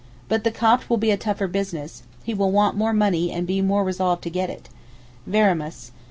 But the Copt will be a tougher business—he will want more money and be more resolved to get it. Veremus.